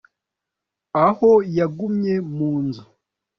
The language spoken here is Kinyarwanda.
aho yagumye mu nzu